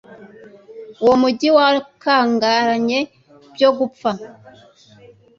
uwo mugi wari wakangaranye byo gupfa